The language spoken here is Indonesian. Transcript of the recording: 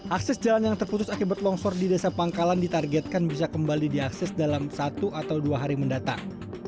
akses jalan yang terputus akibat longsor di desa pangkalan ditargetkan bisa kembali diakses dalam satu atau dua hari mendatang